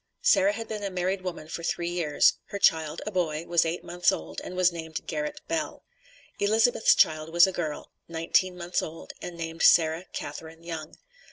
Sarah had been a married woman for three years; her child, a boy, was eight months old, and was named Garrett Bell. Elizabeth's child was a girl, nineteen months old, and named Sarah Catharine Young.